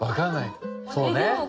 そうね。